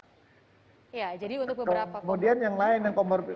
kemudian yang lain yang comorbid